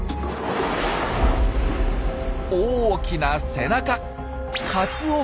大きな背中！